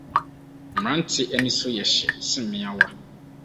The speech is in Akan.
Mmerante ani so yɛ hye sen mmeawa.